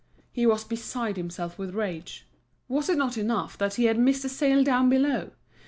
He was beside himself with rage. Was it not enough that he had missed a sale down below?